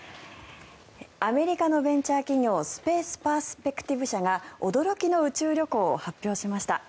アメリカのベンチャー企業スペース・パースペクティブ社が驚きの宇宙旅行を発表しました。